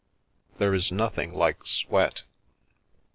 There is nothing like sweat.